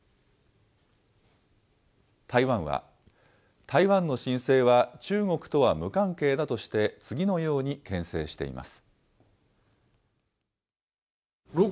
台湾は、台湾の申請は中国とは無関係だとして、次のようにけん制しています。